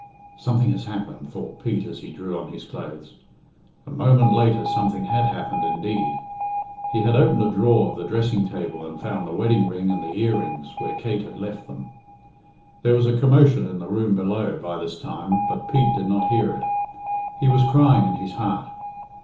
"Something has happened," thought Pete as he drew on his clothes. A moment later something had happened indeed. He had opened a drawer of the dressing table and found the wedding ring and the earrings where Kate had left them. There was a commotion in the room below by this time, but Pete did not hear it. He was crying in his heart.